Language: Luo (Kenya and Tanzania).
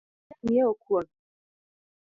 Med jang’iewo kuon